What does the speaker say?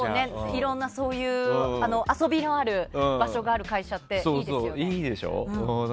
いろんな遊びのある場所がある会社っていいですよね。